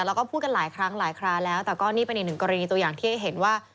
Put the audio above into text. แล้วก็พูดกันหลายครั้งหลายคราแล้วแต่ก็นี่เป็นอีกหนึ่งกรณีตัวอย่างที่ให้เห็นว่า